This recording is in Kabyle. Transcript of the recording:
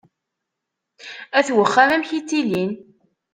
At uxxam, amek i ttilin?